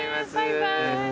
バイバイ。